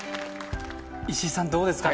石井さんどうですか？